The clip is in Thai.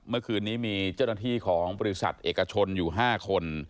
เมื่อคืนนี้มีเจ้าหน้าที่ของบริษัทเอกชนอยู่๕คน